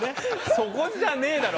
そこじゃねえだろ